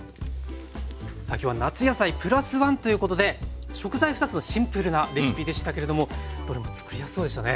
さあ今日は「夏野菜プラス１」ということで食材２つのシンプルなレシピでしたけれどもどれもつくりやすそうでしたね。